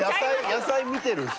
野菜見てる人。